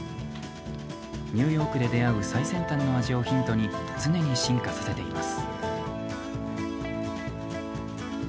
ニューヨークで出会う最先端の味をヒントに常に進化させています。